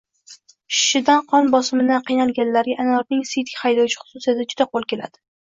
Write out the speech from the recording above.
Shishishdan, qon bosimidan qiynalganlarga anorning siydik haydovchi xususiyati juda qo‘l keladi.